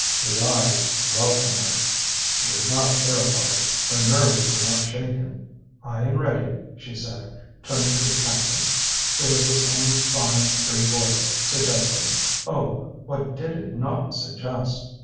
His eyes dwelt on her. She was not terrified; her nerves were not shaken. "I am ready," she said, turning to the captain. It was the same fine, free voice, suggesting Oh, what did it not suggest!